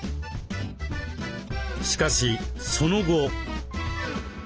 しかしその後。